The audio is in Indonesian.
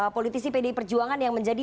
politisi pdi perjuangan yang menjadi